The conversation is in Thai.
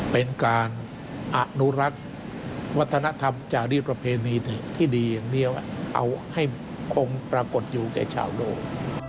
เป็นการอนุรักษ์วัฒนธรรมจารีประเพณีที่ดีอย่างเดียวเอาให้คงปรากฏอยู่แก่ชาวโลก